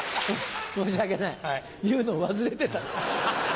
申し訳ない言うのを忘れてた。